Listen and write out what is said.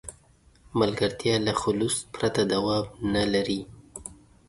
ملګرتیا له خلوص پرته دوام نه لري.